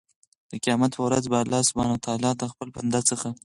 د قيامت په ورځ به الله سبحانه وتعالی د خپل بنده څخه